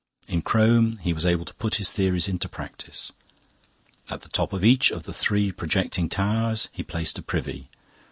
In Crome he was able to put his theories into practice. At the top of each of the three projecting towers he placed a privy.